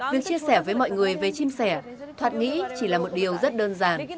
việc chia sẻ với mọi người về chim sẻ thoát nghĩ chỉ là một điều rất đơn giản